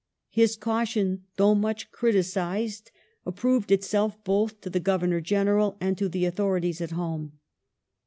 His caution, though much criticized, approved itself both to the Governor General and to the authorities at home.